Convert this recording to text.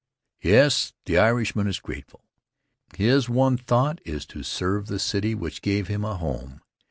Yes, the Irishman is grateful. His one thought is to serve the city which gave him a home.